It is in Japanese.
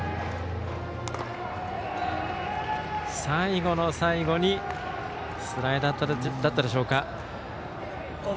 最後の最後にスライダーだったでしょうか。